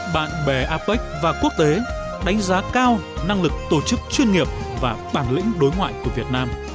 bạn bè apec và quốc tế đánh giá cao năng lực tổ chức chuyên nghiệp và bản lĩnh đối ngoại của việt nam